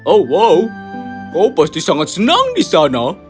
oh kau pasti sangat senang di sana